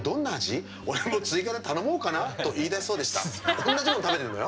おんなじもん食べてるのよ。